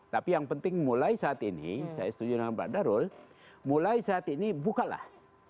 tapi yang penting mulai saat ini saya setuju dengan pak darul mulai saat ini bukalah